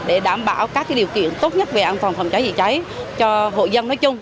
để đảm bảo các điều kiện tốt nhất về an toàn phòng cháy chữa cháy cho hội dân nói chung